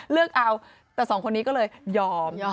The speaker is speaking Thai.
เลือกเอาแต่สองคนนี้ก็เลยยอม